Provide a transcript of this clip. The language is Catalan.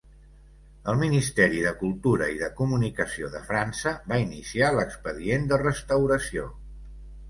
El ministeri de Cultura i de Comunicació de França va iniciar l'expedient de restauració.